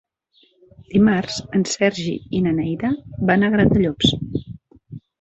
Dimarts en Sergi i na Neida van a Gratallops.